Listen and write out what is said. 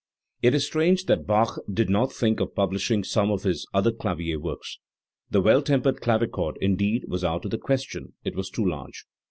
It is strange that Bach did not think of publishing some of his other clavier works. The Well tempered Clavichord indeed, was out of the question; it was too large.